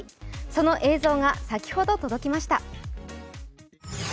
その映像が先ほど届きました。